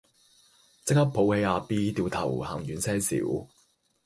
即刻抱起阿 B 掉頭行遠些少